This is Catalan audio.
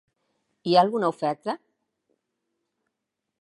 Hi ha alguna oferta?